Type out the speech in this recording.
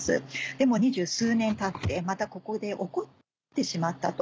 でも２０数年たってまたここで起こってしまったと。